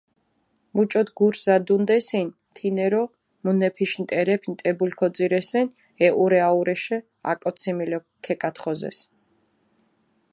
მუჭოთ გურს ზადუნდესინ თინერო მუნეფიშ ნტერეფი ნტებული ქოძირესინ, ეჸურე-აჸურეშე, აკოციმილო ქეკათხოზეს.